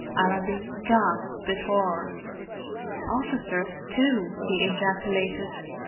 Allenby gasped with horror. "Officers, too!" he ejaculated.